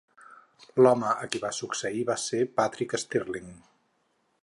L'home a qui va succeir va ser Patrick Stirling.